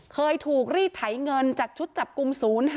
เคยถูกรีดไถเงินจากชุดจับกลุ่ม๐๕